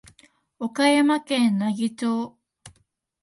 岡山県奈義町